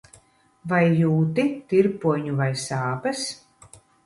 Vai jūti tirpoņu vai sāpes?